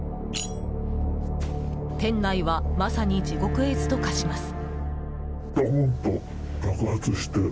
店内はまさに地獄絵図と化します。